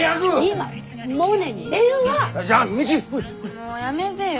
もうやめでよ。